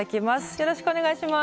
よろしくお願いします。